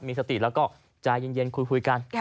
มีสติแล้วก็ใจเย็นคุยกัน